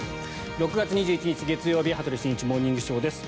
６月２１日、月曜日「羽鳥慎一モーニングショー」。